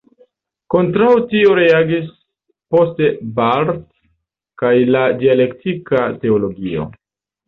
Kontraŭ tio reagis poste Barth kaj la dialektika teologio.